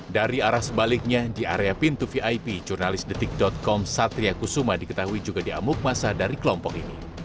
dari arah sebaliknya di area pintu vip jurnalis detik com satria kusuma diketahui juga diamuk masa dari kelompok ini